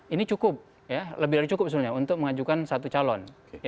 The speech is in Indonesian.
ini cukup ya lebih dari cukup sebenarnya untuk mengajukan satu calon